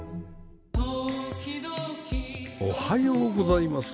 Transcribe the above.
おはようございます。